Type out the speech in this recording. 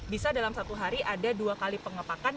bisa dalam satu hari ada dua kali pengepakan